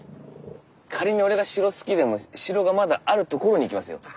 仮に俺が城好きでも城がまだあるところに行きますよ。